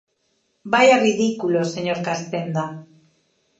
¡Vaia ridículo, señor Castenda!